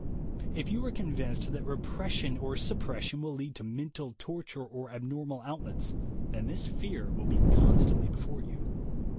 If you are con vinced that "repression" or "suppression" will lead to mental torture or abnormal outlets, then this fear will be constantly before you.